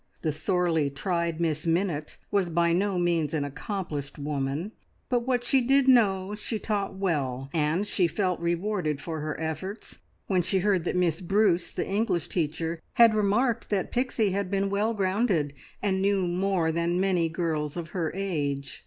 The sorely tried Miss Minnitt was by no means an accomplished woman, but what she did know she taught well, and she felt rewarded for her efforts when she heard that Miss Bruce, the English teacher, had remarked that Pixie had been well grounded, and knew more than many girls of her age.